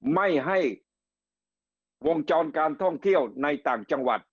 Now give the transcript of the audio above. ไม่ให้วงจรการท่องเที่ยวในต่างจังหวัด